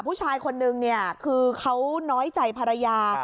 ผู้ชายคนนึงเนี่ยคือเขาน้อยใจภรรยา